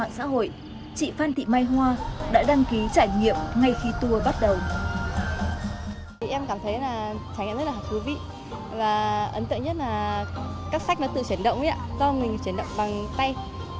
điết tới tour đêm văn miếu quốc tử giám qua mạng xã hội chị phan thị mai hoa đã đăng ký trải nghiệm ngay khi tour bắt đầu